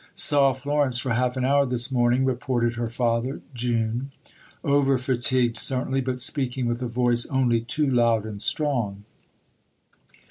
"Saw Florence for half an hour this morning," reported her father (June); "over fatigued certainly, but speaking with a voice only too loud and strong.